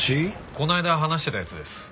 この間話してた奴です。